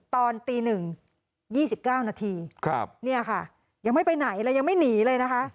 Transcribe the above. ตอนตีหนึ่งยี่สิบเก้านาทีเนี่ยค่ะยังไม่ไปไหนแล้วยังไม่หนีเลยนะคะ